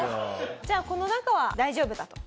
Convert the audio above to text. じゃあこの中は大丈夫だと？